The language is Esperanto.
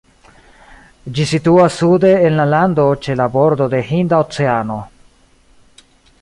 Ĝi situas sude en la lando, ĉe la bordo de Hinda Oceano.